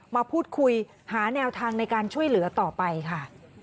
มาพูดคุยหาแนวทางในการช่วยเหลือต่อไปค่ะ